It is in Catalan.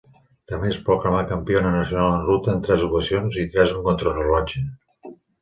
També es proclamà Campiona nacional en ruta en tres ocasions i tres en contrarellotge.